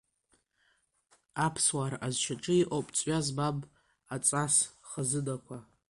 Аԥсуаа рҟазшьаҿы иҟоуп ҵҩа змам аҵас хазынақәа.